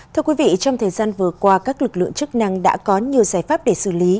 thưa quý vị trong thời gian vừa qua các lực lượng chức năng đã có nhiều giải pháp để xử lý